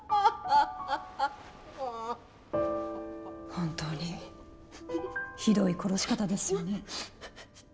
本当にひどい殺し方ですよね。